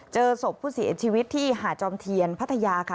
เจอศพผู้เสียชีวิตที่หาดจอมเทียนพัทยาค่ะ